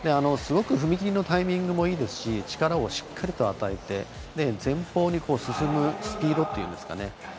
すごく踏み切りのタイミングもいいですし力をしっかりと与えて前方に進むスピードというんですかね